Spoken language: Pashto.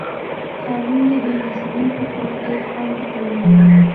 قانون د بېنظمۍ پر وړاندې خنډ جوړوي.